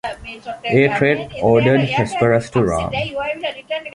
A. Tait, ordered "Hesperus" to ram.